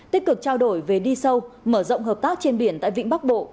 tích cực trao đổi về đi sâu mở rộng hợp tác trên biển tại vĩnh bắc bộ